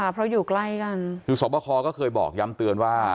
เพราะอยู่ใกล้กันคือสวบคอก็เคยบอกย้ำเตือนว่า